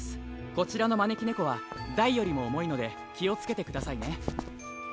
こちらのまねきねこは大よりもおもいのできをつけてくださいね。